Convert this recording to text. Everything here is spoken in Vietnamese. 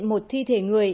một thi thể người